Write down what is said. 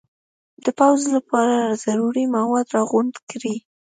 د پوځ لپاره ضروري مواد را غونډ کړي.